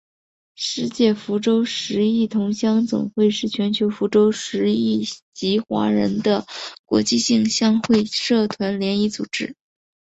世界福州十邑同乡总会是全球福州十邑籍华人的国际性乡会社团联谊组织。